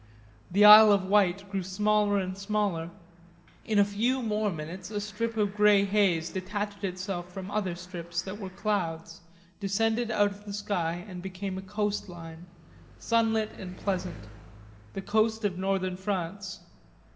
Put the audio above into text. The Isle of Wight grew smaller and smaller. In a few more minutes a strip of grey haze detached itself from other strips that were clouds, descended out of the sky and became a coast line sunlit and pleasant the coast of northern France.